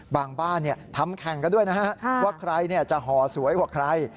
บางบ้านเนี่ยทำแข่งกันด้วยนะฮะว่าใครเนี่ยจะหอสวยกว่าใคร